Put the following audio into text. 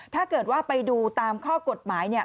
ถ้าเกิดว่าไปดูตามข้อกฎหมายเนี่ย